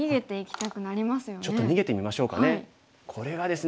ちょっと逃げてみましょうかね。